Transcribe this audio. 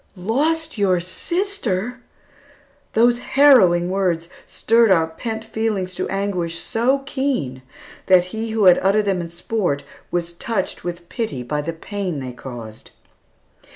"Lost your sister!" Those harrowing words stirred our pent feelings to anguish so keen that he who had uttered them in sport was touched with pity by the pain they caused.